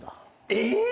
えっ！？